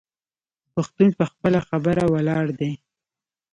پښتون په خپله خبره ولاړ دی.